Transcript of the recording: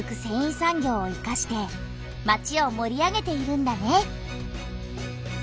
産業をいかしてまちをもり上げているんだね。